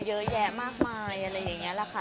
เยอะแยะมากมายอะไรอย่างนี้แหละค่ะ